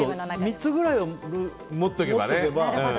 ３つくらいは持っておけばね。